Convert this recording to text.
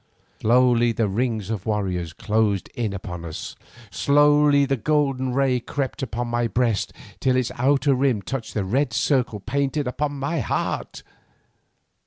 Slowly the ring of warriors closed in upon us, slowly the golden ray crept up my breast till its outer rim touched the red circle painted upon my heart.